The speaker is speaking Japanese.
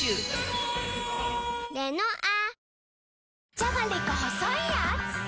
じゃがりこ細いやーつ